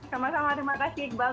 sama sama terima kasih iqbal